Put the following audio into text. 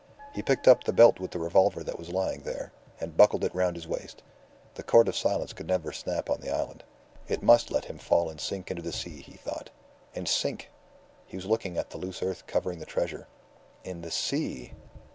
He picked up the belt with the revolver, that was lying there, and buckled it round his waist. The cord of silence could never snap on the island. It must let him fall and sink into the sea, he thought. And sink! He was looking at the loose earth covering the treasure. In the sea!